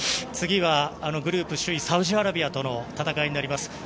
次はグループ首位のサウジアラビアとの戦いになります。